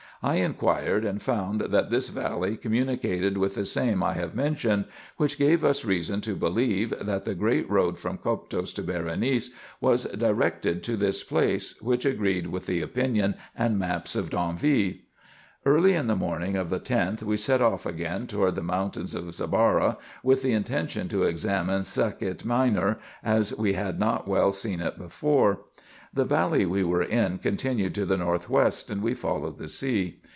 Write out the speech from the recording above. I in quired and found that this valley communicated with the same I have mentioned ; which gave us reason to believe, that the great road from Coptos to Berenice was directed to this place, which agreed with the opinion and maps of D'Anville. Early in the morning of the 10th we set off again toward the mountain Zabara, with the intention to examine Sakiet Minor, as we had not well seen it before. The valley we were in continued to the north west, and we followed the sea.